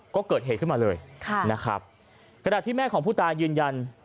ก็เกิดเหตุขึ้นมาเลยนะครับกระดาษที่แม่ของผู้ตายยืนยัน